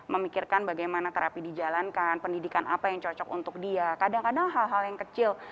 memikirkan bagaimana terapi dijalankan pendidikan apa yang cocok untuk dia kadang kadang hal hal yang kecil